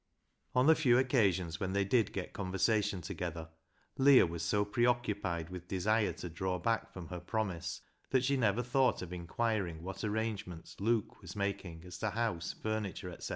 On the few occasions when they did get conversation together, Leah was so preoccupied with desire to draw back from her promise that she never thought of inquiring what arrangements Luke was making as to house, furniture, etc.